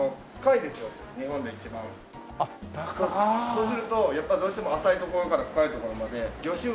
そうするとやっぱりどうしても浅い所から深い所まで魚種が多くとれる。